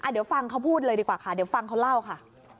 เดี๋ยวฟังเขาพูดเลยดีกว่าค่ะเดี๋ยวฟังเขาเล่าค่ะ